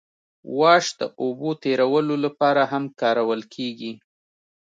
واش د اوبو تیرولو لپاره هم کارول کیږي